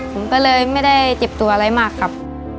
ผมก็เลยไม่ได้เจ็บตัวอะไรมากครับ